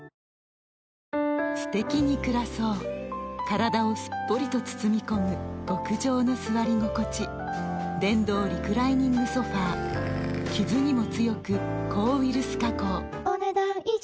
すてきに暮らそう体をすっぽりと包み込む極上の座り心地電動リクライニングソファ傷にも強く抗ウイルス加工お、ねだん以上。